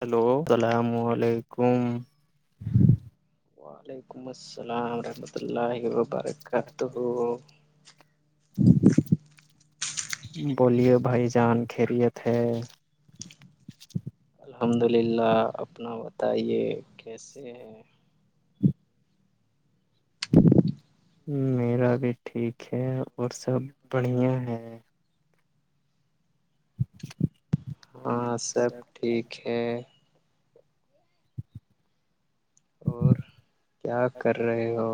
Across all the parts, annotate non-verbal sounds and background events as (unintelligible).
hello السلام علیکم وعلیکم السلام رحمۃ اللہ وبرکاتہ ا بولیے بھائی جان کریے تھے الحمد للہ اپنا بتائیے کیسے ہے میرا بھی ٹھیک ہے اور سب بڑھیا ہے ہاں سب ٹھیک ہے اور کیا کر رہے ہو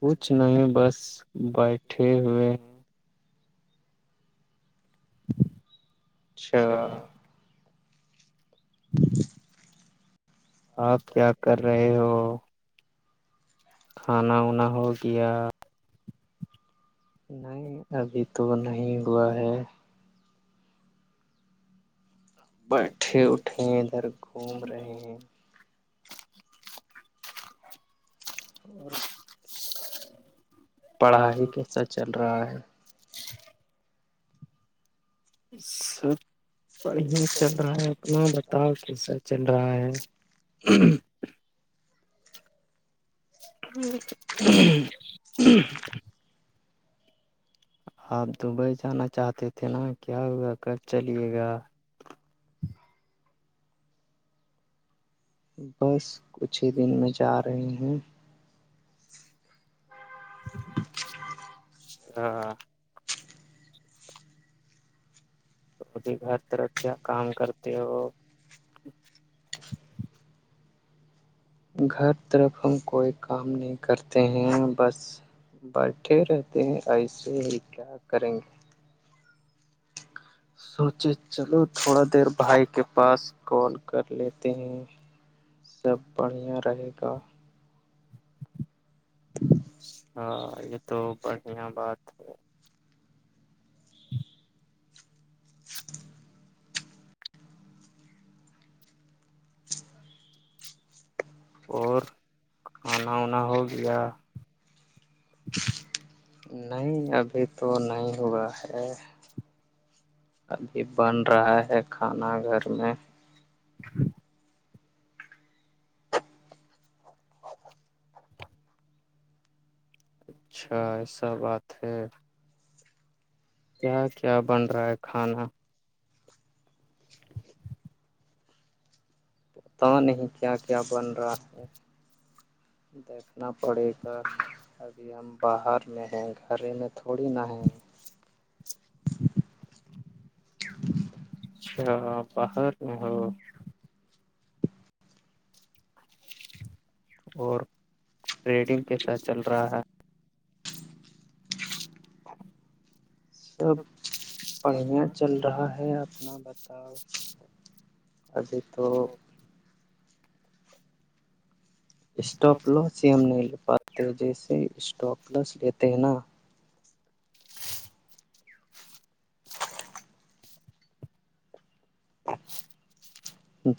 کچھ نہیں بس بیٹھے ہوئے اچھا ج آپ کیا کر رہے ہو کھانا وانا ہو گیا نہیں ابھی تو نہیں ہوا ہے بیٹھے اٹھے ہیں ادھر گھوم رہے ہیں اور پڑھائی کیسا چل رہا ہے سب بڑھیا چل رہا ہے اپنا بتاؤ کیسا چل رہا ہے ہوں ہوں جی ہ آپ دبئی جانا چاہتے تھے نا کیا ہوا کرب چلیے گا بس کچھ ہی دن میں جا رہے ہیں ہ ہاں گار تر اچھا کام کرتے وہ گھر طرف ہم کوئی کام نہیں کرتے ہیں بس بیٹھے رہتے ہیں ایسے ہی کیا کریں گے سوچے چلو تھوڑا دیر بھائی کے پاس کال کر لیتے ہیں سب بڑھیا رہے گا (unintelligible) ہاں یہ تو بڑھیا بات ہے اور کھانا وانا ہو گیا نہیں ابھی تو نہیں ہوا ہے ابھی بن رہا ہے کھانا گھر میں ہ اچھا ای سا بات ہے کیا کیا بن رہا ہے کھانا پتا نہیں کیا کیا بن رہا ہے دیکھنا پڑے گا ابھی ہم باہر میں ہیں گھرے میں تھوڑی نہا ہے اچھا باہر ہو اور ٹریڈنگ کے ساتھ چل رہا ہے سب بڑھیا چل رہا ہے اپنا بتاؤ ابھی تو اسٹاپ لاس ہی ہم نہیں لے پاتے جیسے اسٹاپ لاس لیتے ہیں نا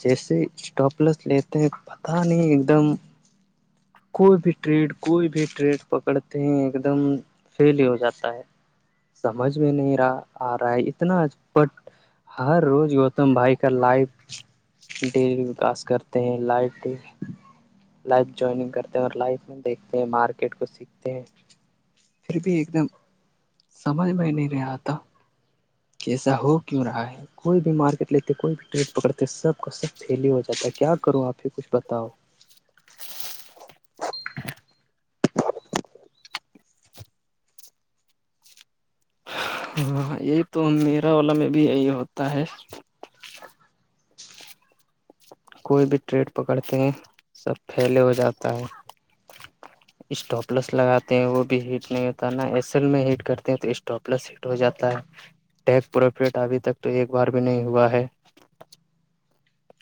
جیسے اسٹاپلس لیتے ہیں پتہ نہیں ایک دم کوئی بھی ٹریڈ کوئی بھی ٹریڈ پکڑتے ہیں ایک دم فیل ہو جاتا ہے سمجھ میں نہیں رہا آ رہا ہے اتناج بٹ ہر روز گوتم بھائی کا لائف ڈیری وکاس کرتے ہیں لائٹ لائف جوائننگ کر اور لائف میں دیکھتے ہیں مارکیٹ کو سیکھتے ہیں پھر بھی ایک دم سمجھ میں نہیں رہا تھا کیسا ہو کیوں رہا ہے کوئی بھی مارکیٹ لیتے کوئی بھی ٹریڈ پکڑتے سب کا سب فیل ہی ہو جاتا ہے کیا کروں آپ ہی کچھ بتاؤ ہاں یہی تو میرا وال میں بھی یہی ہوتا ہے (inaudible) کوئی بھی ٹریڈ پکڑتے ہیں سب پھیلے ہو جاتا ہے اسٹاپلس لگاتے ہیں وہ بھی ہیٹ نہیں ہوتا نا ایس ایل میں ہیٹ کرتے ہیں تو اسٹاپ لیس ہو جاتا ہے ٹیک پروفٹ ابھی تک تو ایک بار بھی نہیں ہوا ہے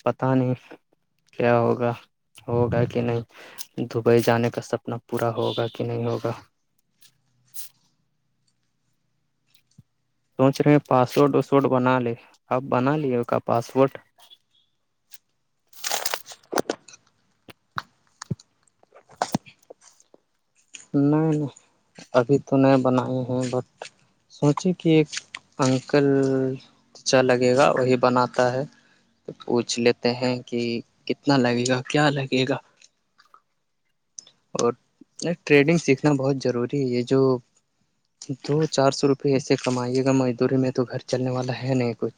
پتہ نہیں کیا ہوگا ہوگا کہ نہیں دبئی جانے کا سپنا پورا ہوگا کہ نہیں ہوگا سوچ رہے ہیں پاسورڈ واسورڈ بنا لے آپ بنا لیے کا پاسورڈ نہیں نہیں ابھی تو نہیں بنائے ہیں بٹ سوچے کہ ایک انکلچا لگے گا وہی بناتا ہے تو پوچھ لیتے ہیں کہ کتنا لگے گا کیا لگے گا اور نہیں ٹریڈنگ سیکھنا بہت ضروری ہے یہ جو دو چار سو روپئے ایسے کمائیے گا مزدوری میں تو گھر چلنے والا ہے نہیں کچھ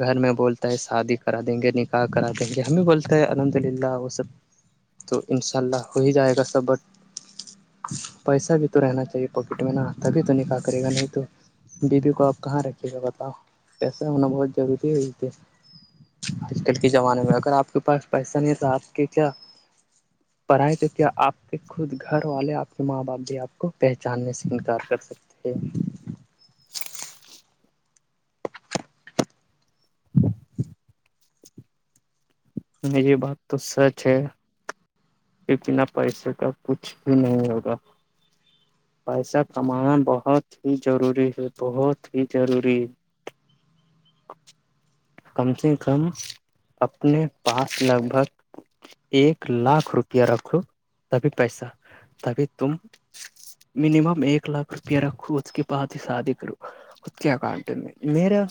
گھر میں بولتا ہے شادی کرا دیں گے نکاح کرا دیں گے ہم بھی بولتا ہے الحمد للہ وہ سب تو انشاء اللہ ہو ہی جائے گا سب بٹ پیسہ بھی تو رہنا چاہیے پاکٹ میں نا تبھی تو نکالح کرے گا نہیں تو بی بیی کو آپ کہاں رکھیے گا بتاؤ پیسے ہونا بہت ضروری ہے تھے آج کل کے زمانے میں اگر آپ کے پاس پیسہ نہیں ہے تو آپ کے کیا پڑھائے تھے کیا آپ کہ خود گھر والے آپ کے ماں باپ بھی آپ کو پہچاننے سے انکار کر سکتے ہیں یہ بات تو سچ ہے کہ بنا پیسے کا کچھ بھی نہیں ہوگا پیسہ کمانا بہت ہی ضروری ہے بہت ہی ضروری ہے ہاں کم سے کم اپنے پاس لگ بھگ ایک لاکھ روپیہ رکھ لو تبھی پیسہ تبھی تم مینمم ایک لاکھ روپیہ رکھو اس کے پاد ہی شادی کرو خود کے اکارٹن میں میرا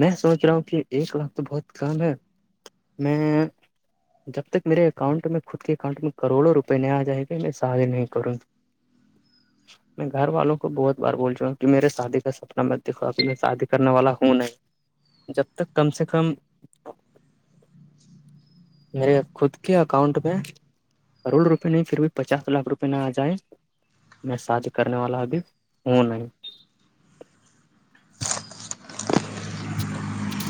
میں سوچ رہا ہوں کہ ایک لاکھ تو بہت کم ہے میں جب تک میرے اکاؤنٹ میں خود کے اکٹ میں کروڑوں روپئے ن آ جائے گ م میں ساج نہیں کروںی ہاں میں گھر والوں کو بہت بار بول چا ہوں کہ میرے شادی کا سپنا میں دیکھو ابھی میں شادی کرنے والا ہوں نہیں جب تک کم سے کم میرے خود کے اکاؤنٹ میں کروڑ روپئے نہیں پھر بھی پچاس لاکھ روپئےے نہ آ جائے میں سج کرنے والا ابھی ہوں نہیں (unintelligible)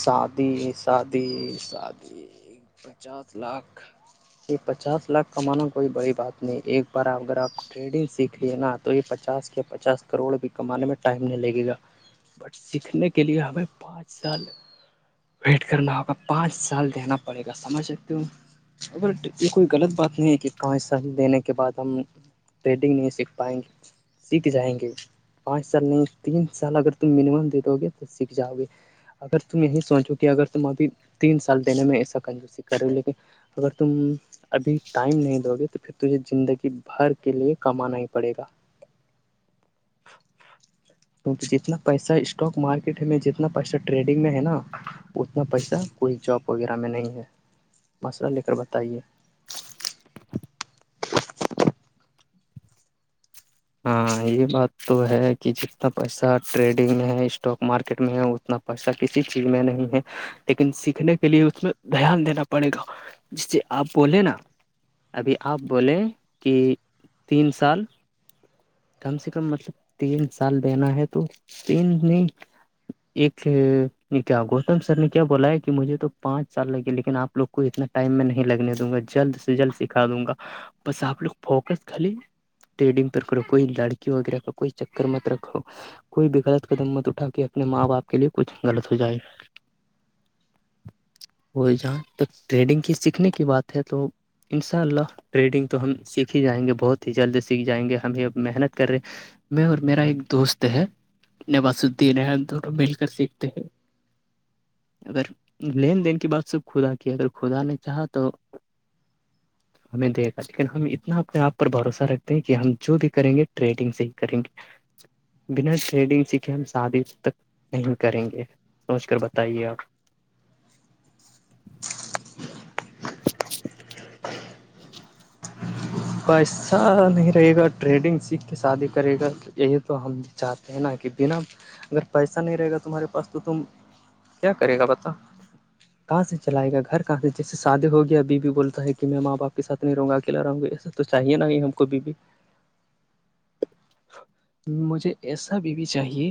شادی شادی شادی پچاس لاکھ یہ پچاس لاکھ کمانا کوئی بڑی بات نہیں ایک بار اگر آپ ٹریڈنگ سیکھ لیے نا تو یہ پچاس یا پچاس کروڑ بھی کمانے میں ٹائم نہیں لگے گا بٹ سیکھنے کے لیے ہمیں پانچ سال ویٹ کرنا ہوگا پانچ سال دیننا پڑے گا سمجھ سکتی ہوں اگرٹ یہ کوئی غلط بات نہیں ہے کہ کہاں حصہ دینے کے بعد ہم ٹریڈنگ نہیں سیکھ پائیں گے سیکھ جائیں گے پانچ سال نہیں تین سال اگر تم مینمم دے دوو گے تو سیکھ جاؤ گے تم یہی سوچو کہ اگر تم ابھی تین سال دینے میں ایسا کنجوسی کرو لیکن اگر تم ابھی ٹائم نہیں دو گے تو پھر تجھے زندگی بھر کے لیے کمانا ہی پڑے گا (unintelligible) کیونکہ جتنا پیسہ اسٹاک مارکیٹ میں جتنا پیسہ ٹریڈ میں ہے نا اتنا پیسہ کوئی جاب وغیرہ میں نہیں ہے مسئلہ لے کر بتائیے (unintelligible) ہاں یہ بات تو ہے کہ جتنا پیسہ ٹریڈنگ میں ہے اسٹاک مارکیٹ میں ہے اتنا پیسہ کسی چیز میں نہیں ہے لیکن سیکھنے کے لیے اس میں دھیان دینا پڑے گا جس سے آپ بولیں نا ابھی آپ بولیں کہ تین سال کم سے کم مطلب تین سال دینا ہے تو تین نہیں ایک کیا گوتم سر نے کیا بولا ہے کہ مجھے تو پانچ سال لگے لیکن آپ لوگ کو اتنا ٹائم میں نہیں لگنے دوں گا جلد سے جلد سکھا دوں گا بس آپ لوگ فوکس خالی ٹڈگ پکڑو کوئی لڑکی وغیرہ کا کوئی چکر مت رکھو کوئی بھی غلط قدم مت اٹھا کے اپنے ماں باپ کے لیے کچھ غلط ہو جائے (unintelligible) وہ جہاں ٹریڈنگ کی سیکھنے کی بات ہے تو ان شاء اللہ ٹریڈنگ تو ہم سیکھی ہی جائیں گے بہت ہی جلد سیکھ جائیں گے ہم محنت کر رہے میں اور میرا ایک دوست ہے نواز الدین ہم دونوں مل کر سیکھتے ہیں اگر لین دین کی بات سب خدا کی اگر خدا نے چاہا تو ہمیں دیکھا لیکن ہم اتنا اپنے آپ پر بھروسہ رکھتے ہیں کہ ہم جو بھی کریں گے ٹریڈنگ سے ہی کریں گے بنا ٹریڈنگ سیکھے ہم شادی تک نہیں کریں گے سوچ کر بتائیے آپ پ ایسہ نہیں رہے گا ٹریڈنگ سیکھ کے شادی کرے گا کہ یہی تو ہم چاہتے ہیں نا کہ بنا اگر پیسہ نہیں رہے گا تمہارے پاس تو تم کیا کرے گا پتا کہاں سے چلائے گا گھر کہاں سے جیس سے شادی ہو گیا اب بھی بولتا ہے کہ میں ماں باپ کےاتھ نہیں رہوں گا اکیلا رہاوں گی ایسا تو چاہیے نا ہی ہم کوب بھی مجھے ایسا بیوی چاہیے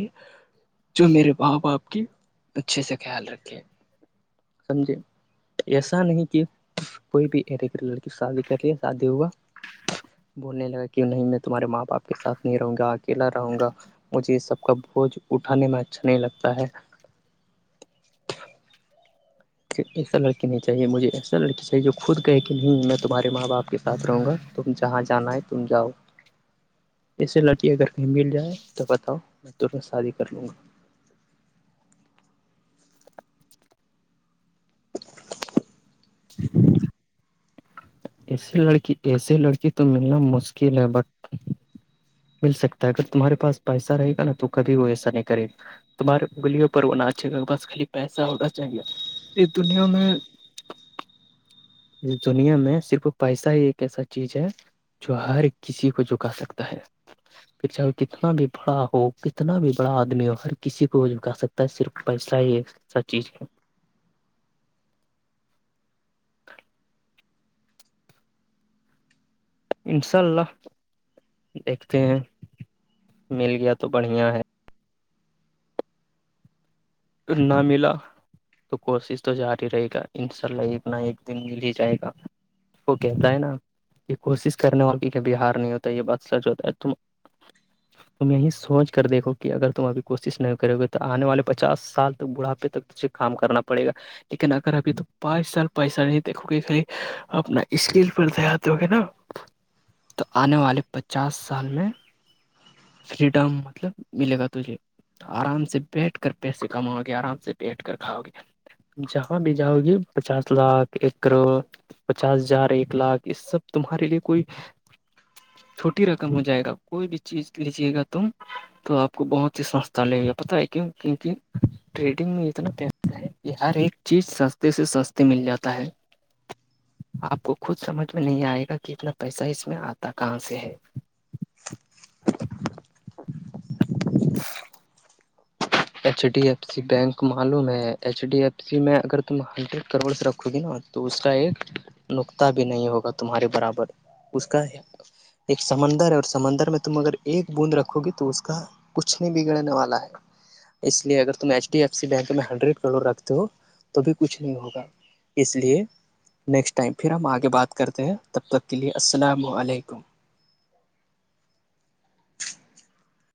جو میرے ماؤ باپ کی اچھے سے خیال رکھے سمجھے ایسا نہیں کہ کوئی بھی لڑکی شادی کر لی شادی ہوا بولنے لگا کیوں نہیں میں تمہارے ماں باپ کے ساتھ نہیں رہوں گا اکیلا رہوں گا مجھے یہ سب کا بوج اٹھانے میں اچھا نہیں لگتا ہے ے ایسا لڑکی نہیں چاہے مجھے ایسا لڑکی چاہیے جو خود کہے کہ نہیں میں تمہارے ماں باپ کے ساتھ رہوں گا تم جہاں جان ہے تم جاؤ جسے لڑٹی اگر کہیں مل جائے تو بتاؤ میں ترنت شادی کر لوں گا ایسی لڑکی ایسے لڑکی تو ملنا مشکل ہے بٹ مل سکتا ہے اگر تمہارے پس پیسہ رہے گا نا تو کبھی وہ ایسا نہیں کرے گا تمہارے گلیوں پر ہونا اچھے گا بس خالی پیسہ ہوتا چاہیے اس دنیا میں اس دنیا میں صرف پیسہ ہی ایک ایسا چیز ہے جو ہر کسی کو جھکا سکتا ہے پ چاہ کتنا بھی بڑا ہو کتنا بھی بڑا آدمی ہو ہر کسی کو جکا سکتے صرف پیسلہ ہی سا چیز ہے انشاء اللہ دیکھتے ہیں مل گیا تو بڑھیا ہے نہ ملا تو کوشش تو جاری رہے گا ان شاء اللہ ایک نہ ایک دن مل ہی جائے گا اوکے نا یہ کوشش کرنے والی کبھی ہار نہیں ہوتا ہے یہ بات سچ ہوتا ہے ت تم یہی سوچ کر دیکھو کہ اگر تم ابھی کوشش نہیں کرو گے تو آنے والے پسے پچاس سال تک بڑھاپے تکے کام کرنا پڑے گا لیکن اگر ابھی تو پانچ سال پیسہ نہیں دیکھو گے ک اپنا اسکل پر دیات گے نا تو آنے والے پچاس سال میں فریڈم مطلب ملے گا تجھے آرام سے بیٹھ کر پیسے کماؤ گے آرام سے بیٹھ کر کاؤ گے جہاں بھی جاؤ گی پچاس لاکھ ایک کروڑ پچاس ہزار ایک لاکھ اس سب تمہارے لیے کوئی چھوٹی رقم ہو جائے گا کوئی بھی چیز لیجیے گا تم تو آپ کو بہت سی سسھ لے گی ہے پت ہے کیوں کن کن ٹریڈنگ میں اتنا پسہ ہے کہ ہر ایک چیز سستے سے سستے مل جاتا ہے آپ کو خود سمجھ میں نہیں آئے گا کہ اتنا پیسہ اس میں آتا کہاں سے ہے H D F C bank معلوم ہے ایچ ڈی ایف سی میں اگر تم ہنڈریڈ کروڑس رکھو گی نا تو اس کا ایک نقتہ بھی نہیں ہوگا تمہارے برابر اس کا ایک سمندر ہے اور سمندر میں تم اگر ایک بوند رکھو گی تو اس کا کچھ نہیں بگڑنے والا ہے اس لیے اگر تم H D F C bank میں ہنڈریڈ کرو رکھتے ہو توب بھی کچھ نہیں ہوگا اس لیے نیکسٹ ٹائم پھر ہم آگے بات کرتے ہیں تب تک کے لیے السلام علیکم